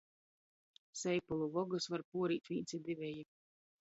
Seipulu vogys var puorīt vīns i diveji.